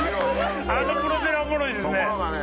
あのプロペラおもろいですね。